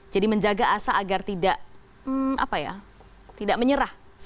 jadi menjaga asa agar tidak menyerah